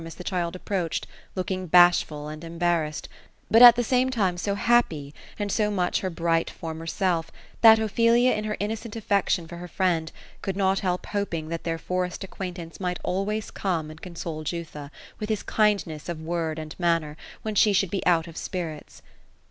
as the child approached, look ing bashful and embarrassed ; but at the same time so happy, and so much her bright, former self, that Ophelia in her innocent affection for her friend, could not help hoping that their forest acquaintance might always come and console Jutha, with his kindness of word and manner, when she should be out of spirits.